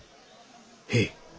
へえ。